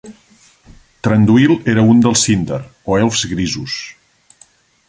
Thranduil era un dels Sindar, o elfs grisos.